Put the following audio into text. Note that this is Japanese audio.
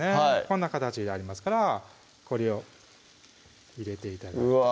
こんな形でありますからこれを入れて頂くうわ